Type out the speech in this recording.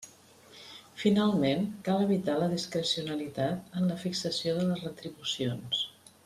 Finalment, cal evitar la discrecionalitat en la fixació de les retribucions.